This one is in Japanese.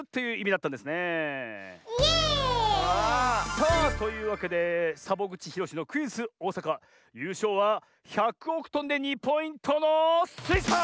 さあというわけでサボぐちひろしのクイズ「おおさか」ゆうしょうは１００おくとんで２ポイントのスイさん！